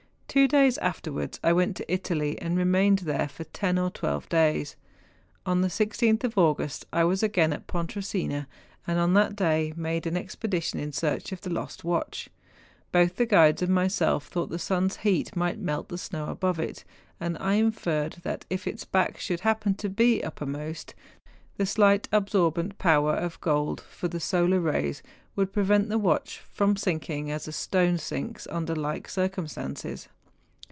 Two days THE PEAK OF MORTERATSCII 57 afterwards I went to Italy, and remained there for Aviihiuche oil tlio Pv.iik of Mortcratsch, ten or twelve ilays. On tlie IGth of August I was 58 MOUNTAIN ADVENTUKES. again at Pontresina, and on that day made an ex¬ pedition in search of the lost watch. Both the guides and myself thought the sun's heat might melt the snow above it; and I inferred that if its back should happen to be uppermost, the slight absorbent power of gold for the solar rays would prevent the watch from sinking as a stone sinks under like cir¬ cumstances.